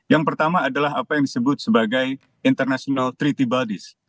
yang pertama adalah apa yang disebut sebagai international treaty bodys